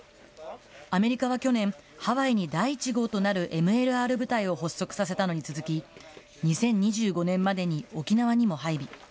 アメリカは去年、ハワイに第１号となるＭＬＲ部隊を発足させたのに続き、２０２５年までに沖縄にも配備。